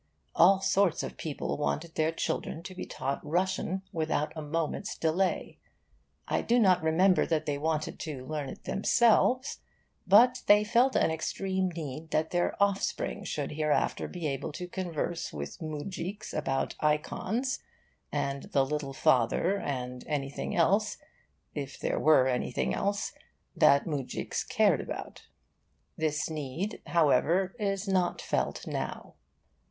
All sorts of people wanted their children to be taught Russian without a moment's delay. I do not remember that they wanted to learn it themselves; but they felt an extreme need that their offspring should hereafter be able to converse with moujiks about ikons and the Little Father and anything else if there were anything else that moujiks cared about. This need, however, is not felt now.